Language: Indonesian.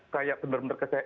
kayak bener bener kece